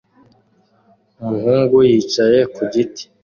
Umuhungu yicaye ku giti